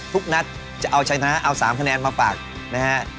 ทุกนัดจะเอาชนะเอา๓คะแนนมาฝากนะฮะ